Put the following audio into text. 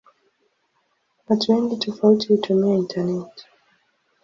Watu wengi tofauti hutumia intaneti.